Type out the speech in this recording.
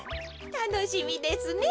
たのしみですね。